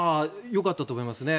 よかったと思いますね。